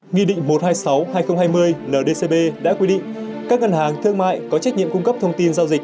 nghị định một trăm hai mươi sáu hai nghìn hai mươi ndcp đã quy định các ngân hàng thương mại có trách nhiệm cung cấp thông tin giao dịch